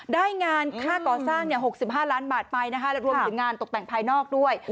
ได้งานค่าก่อสร้าง๖๕ล้านบาทไปนะคะรวมถึงงานตกแต่งภายนอกด้วย